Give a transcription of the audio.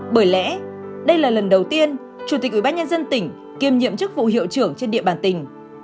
bởi lẽ đây là lần đầu tiên chủ tịch ubnd tỉnh kiêm nhiệm chức vụ hiệu trưởng trên địa bàn tỉnh